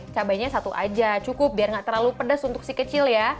cabainya satu aja cukup biar nggak terlalu pedas untuk si kecil ya